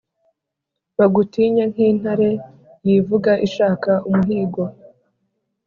Bagutinye nk'intare yivuga ishaka umuhigo